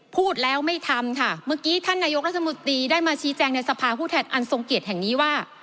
พูดแล้วไม่ทำค่ะเมื่อกี้ท่านนายกรัฐมนตรีได้มาชี้แจงในสภาผู้แทนอันทรงเกียรติแห่งนี้ว่า